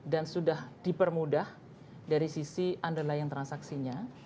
dan sudah dipermudah dari sisi underlying transaksinya